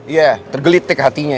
iya tergelitik hatinya ya